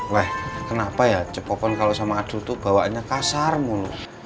weh kenapa ya cepopon kalau sama aduh tuh bawaannya kasar mulu